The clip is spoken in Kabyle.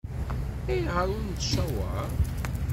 Ayɣer ur t-nettcawaṛ?